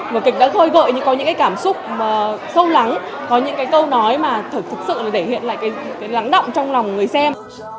bởi kịch đã khôi gợi những cảm xúc sâu lắng có những câu nói mà thực sự thể hiện lại lắng động trong lòng người xem